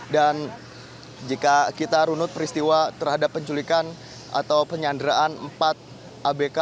dan jika kita runut peristiwa terhadap penculikan atau penyanderaan empat abk